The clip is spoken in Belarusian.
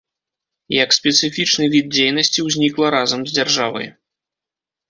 Як спецыфічны від дзейнасці ўзнікла разам з дзяржавай.